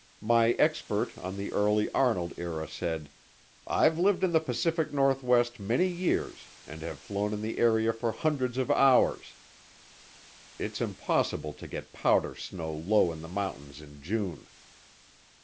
My expert on the early Arnold era said, "I've lived in the Pacific Northwest many years and have flown in the area for hundreds of hours. It's impossible to get powder snow low in the mountains in June.